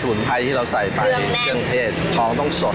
ไพรที่เราใส่ไปเครื่องเทศทองต้องสด